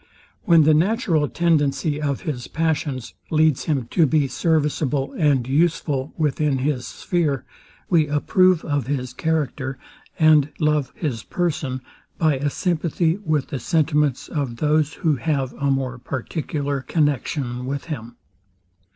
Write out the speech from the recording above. When the natural tendency of his passions leads him to be serviceable and useful within his sphere, we approve of his character, and love his person, by a sympathy with the sentiments of those, who have a more particular connexion with him.